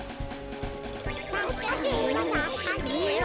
さかせろさかせろ。